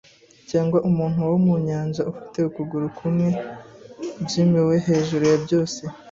cyangwa umuntu wo mu nyanja ufite ukuguru kumwe, Jim - we hejuru ya byose. ”